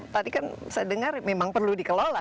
tadi kan saya dengar memang perlu dikelola